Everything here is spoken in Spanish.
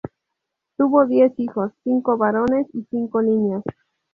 Tuvo diez hijos, cinco varones y cinco niñas.